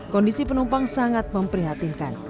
kondisi penumpang sangat memprihatinkan